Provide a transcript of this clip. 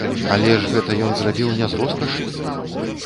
Але ж гэта ён зрабіў не з роскашы!